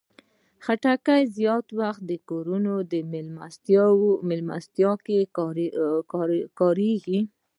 خټکی زیات وخت د کور مېلمستیا کې کارېږي.